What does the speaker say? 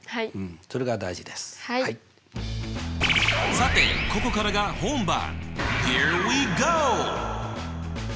さてここからが本番。